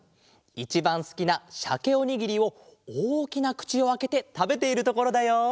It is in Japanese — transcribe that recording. いちばんすきなしゃけおにぎりをおおきなくちをあけてたべているところだよ。